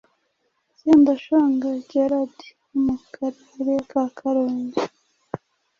Sendashonga Gerard wo mu karere ka Karongi